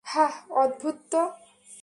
হাহ, অদ্ভুত তো।